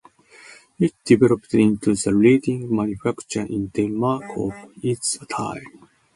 It developed into the leading manufacturer in Denmark of its time.